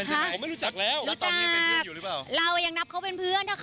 แต่เขารู้จักเราอย่างนับเขาเป็นเพื่อน